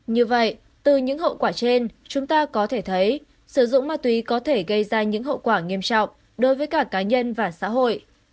như vậy từ những hậu quả trên chúng ta có thể thấy sử dụng ma túy có thể gây ra những hậu quả nghiêm trọng đối với cả cá nhân và xã hội